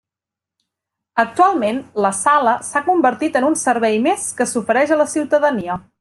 Actualment la Sala s'ha convertit en un servei més que s'ofereix a la ciutadania.